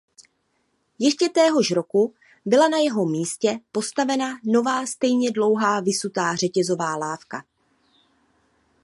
Ještě téhož roku byla na jeho místě postavena nová stejně dlouhá visutá řetězová lávka.